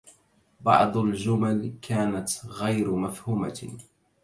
بعضُ الجمَل كانت غيرُ مفهومة.